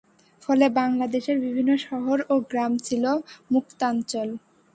ফলে বাংলাদেশের বিভিন্ন শহর ও গ্রাম ছিল মুক্তাঞ্চল।